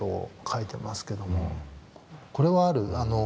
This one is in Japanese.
これはある？